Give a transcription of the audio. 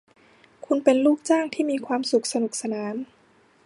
คุณเป็นลูกจ้างที่มีความสุขสนุกสนาน